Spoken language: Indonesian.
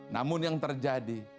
namun yang terjadi